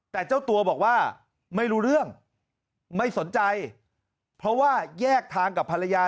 แต่เจ้าตัวบอกว่าไม่รู้เรื่องไม่สนใจเพราะว่าแยกทางกับภรรยา